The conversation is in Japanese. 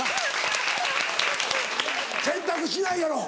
洗濯しないやろ？